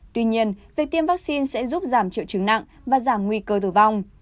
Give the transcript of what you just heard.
tuy nhiên việc tiêm vaccine sẽ giúp giảm triệu chứng nặng và giảm nguy cơ tử vong